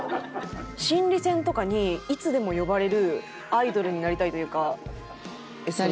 心理戦とかにいつでも呼ばれるアイドルになりたいというか。